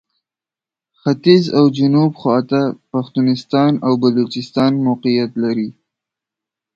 ختیځ او جنوب خواته پښتونستان او بلوچستان موقعیت لري.